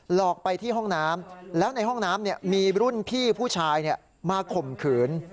หลอกไปที่ห้องน้ำแล้วในห้องน้ำมีรุ่นพี่ผู้ชายมาข่มขืน